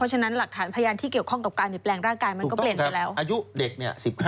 เพราะฉะนั้นหลักฐานพยานที่เกี่ยวข้องกับการเห็นแปลงร่างกายมันก็เปลี่ยนไปแล้ว